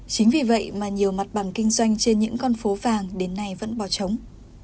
chính vì vậy mà nhiều mặt bằng kinh doanh trên những con phố vàng đến nay vẫn bò trống